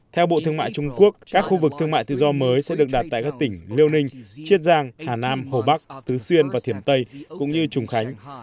theo bộ thương mại trung quốc các khu vực thương mại tự do mới sẽ được đặt tại các tỉnh liêu ninh chiết giang hà nam hồ bắc tứ xuyên và thiểm tây cũng như trùng khánh